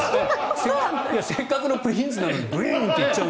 せっかくのプリンスなのにビューンって行っちゃう。